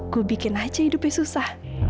ku bikin aja hidupnya susah